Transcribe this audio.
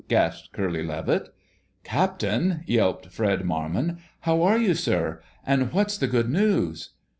gasped Curly Levitt. "Captain!" yelped Fred Marmon. "How are you, sir? And what's the good news?"